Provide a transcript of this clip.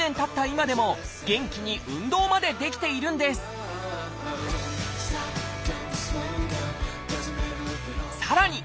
今でも元気に運動までできているんですさらに